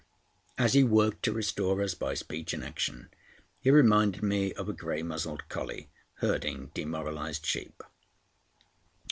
As he worked to restore us by speech and action, he reminded me of a grey muzzled collie herding demoralised sheep.